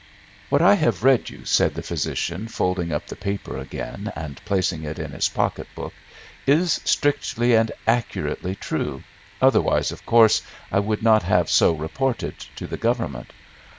"What I have read you," said the physician, folding up the paper again, and placing it in his pocket book, "is strictly and accurately true, otherwise, of course, I would not have so reported to the Government.